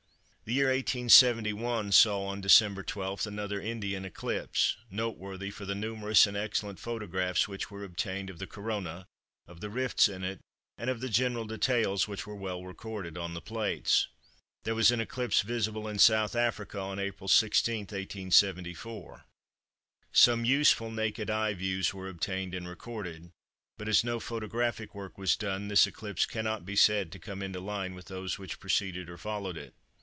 The year 1871 saw, on December 12, another Indian eclipse, noteworthy for the numerous and excellent photographs which were obtained of the Corona, of the rifts in it, and of the general details, which were well recorded on the plates. There was an eclipse visible in South Africa on April 16, 1874. Some useful naked eye views were obtained and recorded, but as no photographic work was done, this eclipse cannot be said to come into line with those which preceded or followed it.